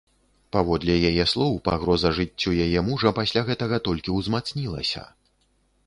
Паводле яе слоў, пагроза жыццю яе мужа пасля гэтага толькі ўзмацнілася.